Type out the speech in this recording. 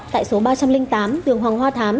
tại số ba trăm linh tám đường hoàng hoa thám